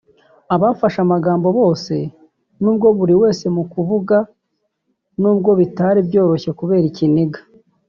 Abafashe amagambo bose n’ubwo buri wese mu kuvuga n’ubwo bitari byoroshye kubera ikiniga